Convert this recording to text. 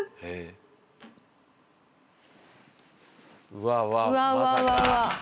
うわうわまさか。